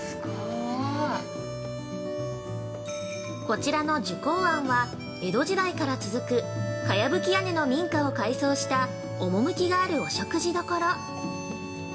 ◆こちらの寿麹庵は江戸時代から続く、茅葺屋根の民家を改装した趣があるお食事処。